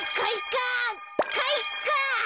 かいか！